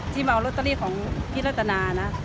เมาลอตเตอรี่ของพี่รัตนานะ